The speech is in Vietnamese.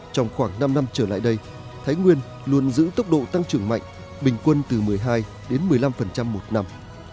trong khoảng năm năm trở lại đây thái nguyên luôn giữ tốc độ tăng trưởng mạnh bình quân từ một mươi hai đến một mươi năm một năm